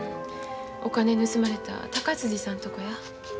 お金盗まれた高辻さんとこや。